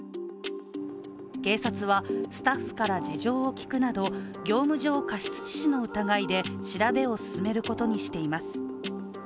警察はスタッフから事情を聴くなど業務上過失致死の疑いで調べを進めることにしています。